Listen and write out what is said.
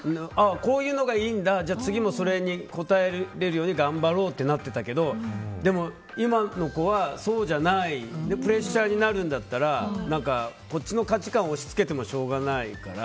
こういうのがいいんだじゃあ次もそれに応えられるように頑張ろうって思ってたけどでも今の子はそうじゃないプレッシャーになるんだったらこっちの価値観を押し付けてもしょうがないから。